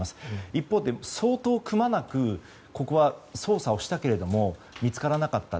一方で相当くまなくここは捜査をしたけれども見つからなかった。